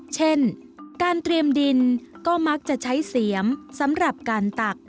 เช่นการเตรียมดินก็มักจะใช้เสียมสำหรับการตัก